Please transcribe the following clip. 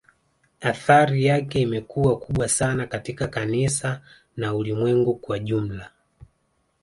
Athari yake imekuwa kubwa sana katika kanisa na Ulimwengu kwa jumla